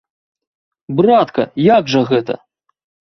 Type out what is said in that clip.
Братка, як жа гэта?!